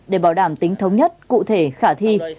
để bảo đảm tính thống nhất cụ thể khả thi